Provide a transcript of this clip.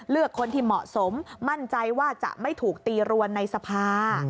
เลือกคนที่เหมาะสมมั่นใจว่าจะไม่ถูกตีรวนในสภา